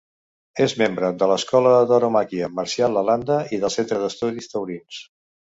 És membre de l'Escola de Tauromàquia Marcial Lalanda i del Centre d'Estudis Taurins.